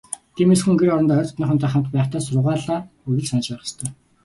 Тиймээс, хүн гэр орондоо ойр дотнынхонтойгоо хамт байхдаа ч сургаалаа үргэлж санаж байх ёстой.